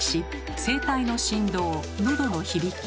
声帯の振動のどの響き